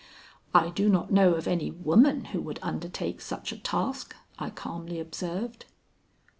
"I do not know of any woman who would undertake such a task," I calmly observed.